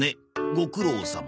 「ご苦労さま」